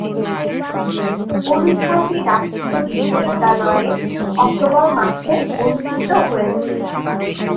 অনুষ্ঠানটি রাজশাহী বিশ্বনিদ্যালয়ে অক্টোবর মাসে অনুষ্ঠিত হয়েছিলো।